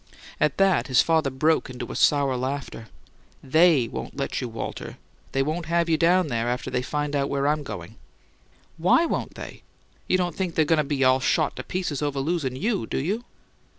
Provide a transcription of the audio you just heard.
At that his father broke into a sour laughter. "THEY won't let you, Walter! They won't have you down there after they find out I'm going." "Why won't they? You don't think they're goin' to be all shot to pieces over losin' YOU, do you?"